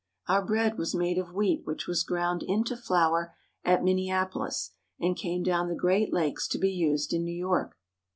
Our bread was made of wheat which was ground into flour at Minneapolis and came down the Great Lakes to be used in New York.